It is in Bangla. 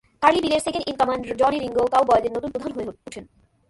কার্লি বিলের সেকেন্ড-ইন-কমান্ড, জনি রিংগো, কাউবয়দের নতুন প্রধান হয়ে ওঠে।